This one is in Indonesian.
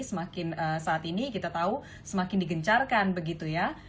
semakin saat ini kita tahu semakin digencarkan begitu ya